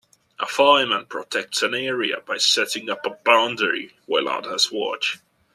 A fireman protects an area by setting up a boundary while others watch.